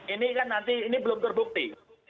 ini kan nanti ini belum terbukti